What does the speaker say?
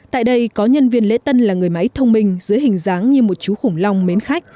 tại đây có nhân viên lễ tân là người máy thông minh dưới hình dáng như một chú khủng long mến khách